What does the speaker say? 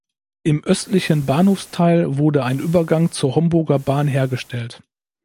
Im östlichen Bahnhofsteil wurde ein Übergang zur Homburger Bahn hergestellt.